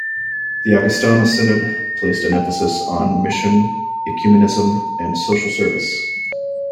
The Augustana Synod placed an emphasis on mission, ecumenism, and social service.